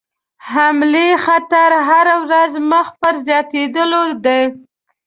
حملې خطر هره ورځ مخ پر زیاتېدلو دی.